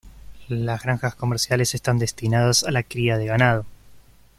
Las granjas comerciales están destinadas a la cría de ganado.